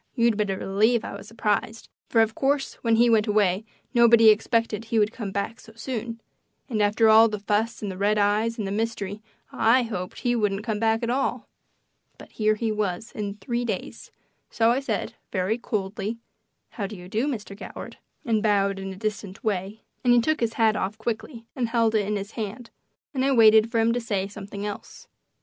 You'd better believe I was surprised, for, of course, when he went away nobody expected he would come back so soon; and after all the fuss and the red eyes and the mystery I hoped he wouldn't come back at all. But here he was in three days, so I said, very coldly, "How do you do, Mr. Goward," and bowed in a distant way; and he took his hat off quickly and held it in his hand, and I waited for him to say something else.